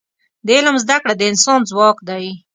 د علم زده کړه د انسان ځواک دی.